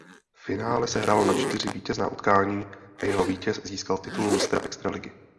Finále se hrálo na čtyři vítězná utkání a jeho vítěz získal titul mistra extraligy.